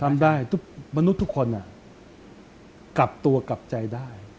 ทำได้ทุกมนุษย์ทุกคนกลับตัวกลับใจได้